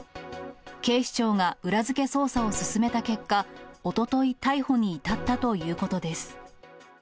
警視庁が裏付け捜査を進めた結果、おととい、逮捕に至ったということです。